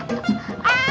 nah siapah levelnya